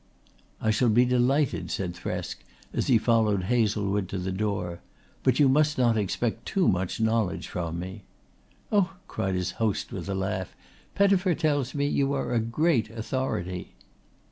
"I shall be delighted," said Thresk as he followed Hazlewood to the door. "But you must not expect too much knowledge from me." "Oh!" cried his host with a laugh. "Pettifer tells me that you are a great authority."